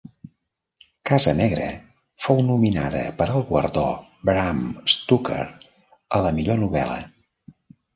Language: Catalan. "Casa negra" fou nominada per al guardó Bram Stoker a la millor novel·la.